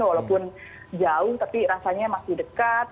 walaupun jauh tapi rasanya masih dekat